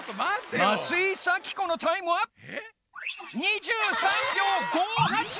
松井咲子のタイムは２３びょう５８！